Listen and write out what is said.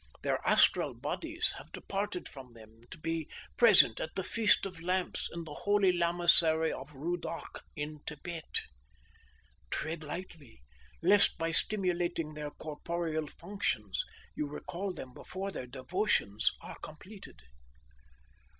Their astral bodies have departed from them, to be present at the feast of lamps in the holy Lamasery of Rudok in Tibet. Tread lightly lest by stimulating their corporeal functions you recall them before their devotions are completed."